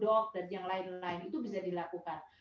kayak sekarang ada halodoc dan yang lain lain itu bisa dilakukan